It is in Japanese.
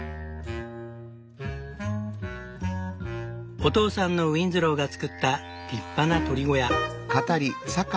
お父さんのウィンズローが造った立派な鶏小屋。